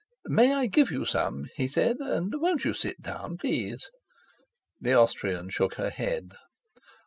"May I give you some?" he said. "And won't you sit down, please?" The Austrian shook her head.